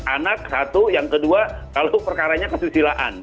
anak satu yang kedua kalau perkaranya kesusilaan